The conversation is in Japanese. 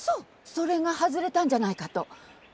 それが外れたんじゃないかと。